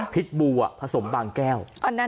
พิษบูผสมบางแก้ว